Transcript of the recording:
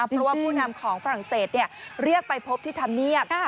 เพราะว่าผู้นำของฝรั่งเศสเรียกไปพบที่ธรรมเนียบ